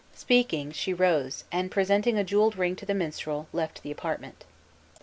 Speaking, she rose, and presenting a jeweled ring to the mistrel, left the apartment.